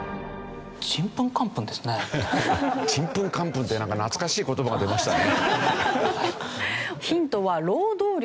「ちんぷんかんぷん」ってなんか懐かしい言葉が出ましたね。